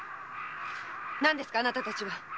何ですかあなたたちは！